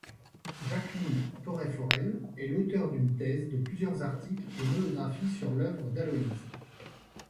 Jacqueline Porret-Forel est l'auteur d'une thèse, de plusieurs articles et monographies sur l’œuvre d'Aloïse.